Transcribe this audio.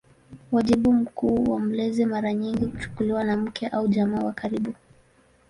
Wajibu mkuu wa mlezi mara nyingi kuchukuliwa na mke au jamaa wa karibu.